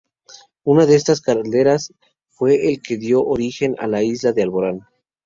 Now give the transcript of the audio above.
Una de estas calderas; fue el que dio origen a la isla de Alborán.